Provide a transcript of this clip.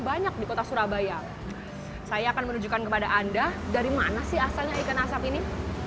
banyak di kota surabaya saya akan menunjukkan kepada anda dari mana sih asalnya ikan asap ini